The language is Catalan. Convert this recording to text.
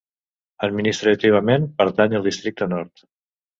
Administrativament pertany al districte nord.